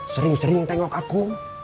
sering sering tengok aku